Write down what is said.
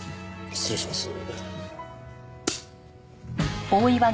失礼します。